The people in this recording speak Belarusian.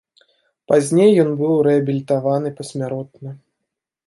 Пазней ён быў рэабілітаваны пасмяротна.